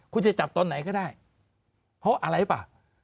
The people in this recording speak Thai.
คุณจะจับตอนไหนก็ได้เพราะว่าอะไรป่ะ